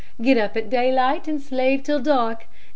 Get up at daylight and slave till dark.